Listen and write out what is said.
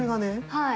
はい。